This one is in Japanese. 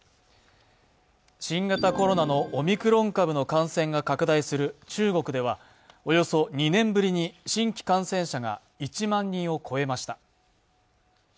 新型コロナのオミクロン株の感染が拡大する中国ではおよそ２年ぶりに新規感染者が１万人を超えました。